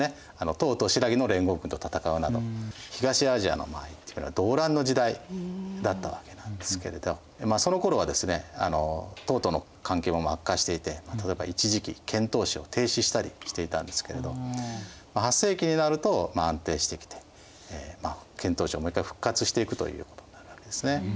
唐と新羅の連合軍と戦うなど東アジアのまあ言ってみれば動乱の時代だったわけなんですけれどそのころはですね唐との関係も悪化していて例えば一時期遣唐使を停止したりしていたんですけれど８世紀になると安定してきて遣唐使をもう一回復活していくということになるわけですね。